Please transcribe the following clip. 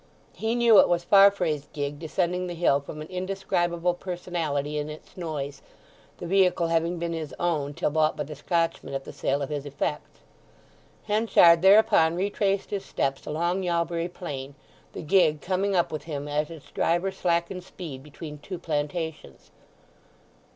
He knew it was Farfrae's gig descending the hill from an indescribable personality in its noise, the vehicle having been his own till bought by the Scotchman at the sale of his effects. Henchard thereupon retraced his steps along Yalbury Plain, the gig coming up with him as its driver slackened speed between two plantations.